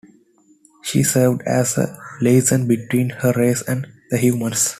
She served as a liaison between her race and the humans.